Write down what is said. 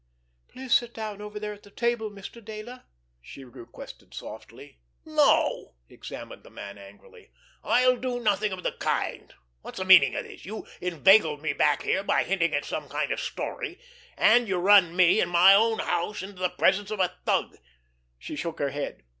"Please sit down over there at the table, Mr. Dayler," she requested softly. "No!" exclaimed the man angrily. "I'll do nothing of the kind! What's the meaning of this? You inveigled me back here by hinting at some kind of story, and you run me, in my own house, into the presence of a thug!" She shook her head.